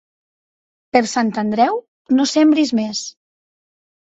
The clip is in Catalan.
Per Sant Andreu no sembris més.